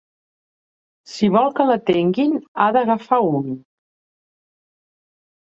Si vol que l'atenguin, ha d'agafar un.